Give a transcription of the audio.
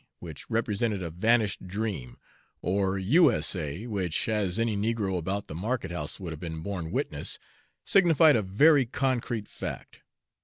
which represented a vanished dream, or "U. S. A.," which, as any negro about the market house would have borne witness, signified a very concrete fact.